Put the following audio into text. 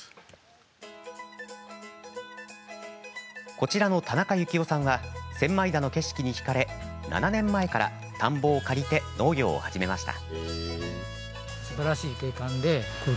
こちらの田中幸夫さんは千枚田の景色にひかれ７年前から田んぼを借りて農業を始めました。